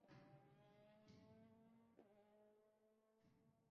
ortga qarab ketmaslik, balki olg‘a harakat qilish lozim bo‘ladi.